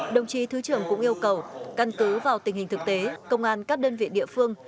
đồng chí thứ trưởng cũng yêu cầu căn cứ vào tình hình thực tế công an các đơn vị địa phương